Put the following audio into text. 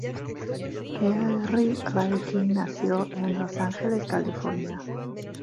Kerry Ray King nació en Los Ángeles, California.